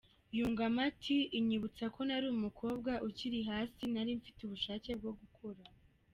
Yungamo ati “Inyubatsa ko nari umukobwa ukiri hasi nari mfite ubushake bwo gukora.